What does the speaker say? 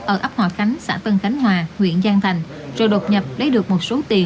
ở ấp hòa khánh xã tân khánh hòa huyện giang thành rồi đột nhập lấy được một số tiền